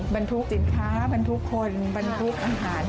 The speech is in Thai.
บรรทุกสินค้าบรรทุกคนบรรทุกอาหาร